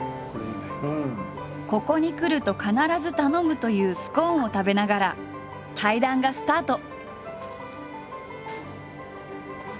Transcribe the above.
ここに来ると必ず頼むというスコーンを食べながら対談がスタート。